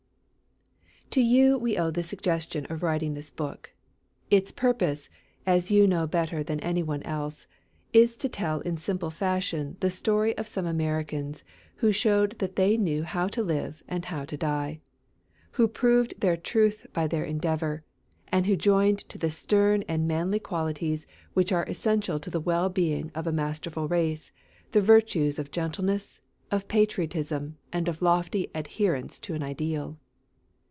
To you we owe the suggestion of writing this book. Its purpose, as you know better than any one else, is to tell in simple fashion the story of some Americans who showed that they knew how to live and how to die; who proved their truth by their endeavor; and who joined to the stern and manly qualities which are essential to the well being of a masterful race the virtues of gentleness, of patriotism, and of lofty adherence to an ideal.